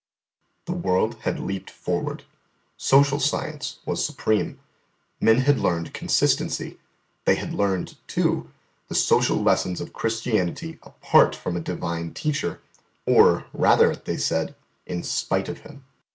The world had leaped forward; social science was supreme; men had learned consistency; they had learned, too, the social lessons of Christianity apart from a Divine Teacher, or, rather, they said, in spite of Him.